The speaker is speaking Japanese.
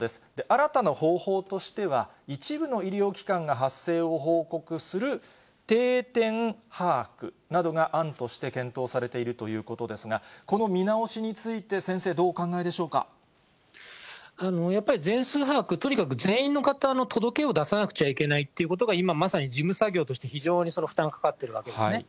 新たな方法としては、一部の医療機関が発生を報告する定点把握などが案として検討されているということですが、この見直しについて、先生、どうお考えやっぱり全数把握、とにかく全員の方の届けを出さなくちゃいけないってことが、今まさに事務作業として、非常に負担がかかっているわけですね。